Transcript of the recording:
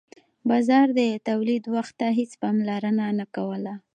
بازار د تولید وخت ته هیڅ پاملرنه نه کوله.